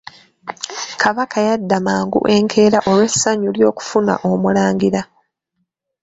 Kabaka yadda mangu enkeera olw'essanyu ly'okufuna omulangira.